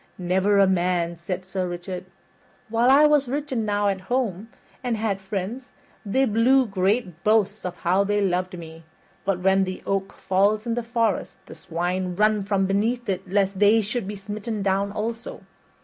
"Never a man," said Sir Richard. "While I was rich enow at home, and had friends, they blew great boasts of how they loved me. But when the oak falls in the forest the swine run from beneath it lest they should be smitten down also.